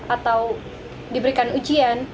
atau diberikan ujian